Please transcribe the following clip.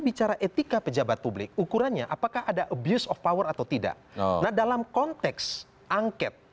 bicara etika pejabat publik ukurannya apakah ada abuse of power atau tidak nah dalam konteks angket